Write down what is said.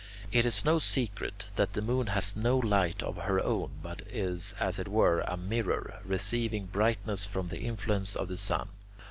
It is no secret that the moon has no light of her own, but is, as it were, a mirror, receiving brightness from the influence of the sun.